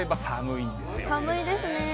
寒いですね。